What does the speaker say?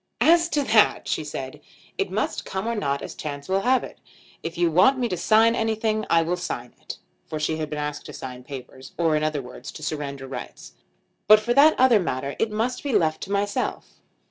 "As to that," she said, "it must come or not as chance will have it. If you want me to sign anything I will sign it;" for she had been asked to sign papers, or in other words to surrender rights; "but for that other matter it must be left to myself."